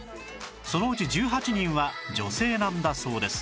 そのうち１８人は女性なんだそうです